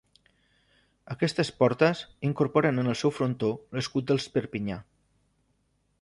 Aquestes portes incorporen en el seu frontó l'escut dels Perpinyà.